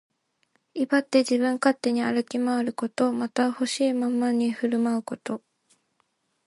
威張って自分勝手に歩き回ること。また、ほしいままに振る舞うこと。